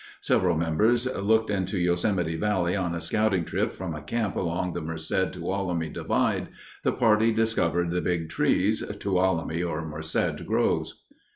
Several members looked into Yosemite Valley on a scouting trip from a camp along the Merced Tuolumne divide. The party discovered the Big Trees (Tuolumne or Merced groves).